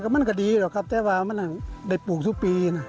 มันก็ดีหรอกครับแต่ว่ามันได้ปลูกทุกปีนะ